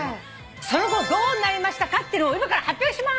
その後どうなりましたかっていうのを今から発表します。